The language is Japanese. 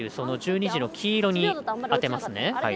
まず、１２時の黄色に当てますね。